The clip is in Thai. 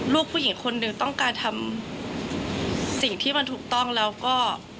ลูกผู้หญิงคนหนึ่งต้องการทำสิ่งที่มันถูกต้องแล้วก็